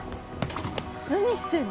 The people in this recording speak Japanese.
何してんの？